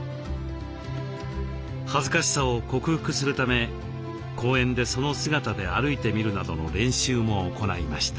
恥ずかしさを克服するため公園でその姿で歩いてみるなどの練習も行いました。